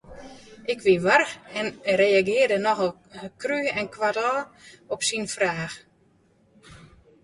Ik wie warch en ik reagearre nochal krú en koartôf op syn fraach.